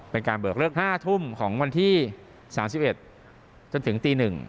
เป็นการเบิกเลิก๕ทุ่มของวันที่๓๑จนถึงตี๑